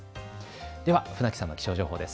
では船木さんの気象情報です。